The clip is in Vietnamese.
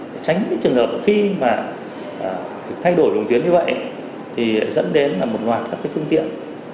để tránh trường hợp khi mà thay đổi luông tuyến như vậy thì dẫn đến một loạt các phương tiện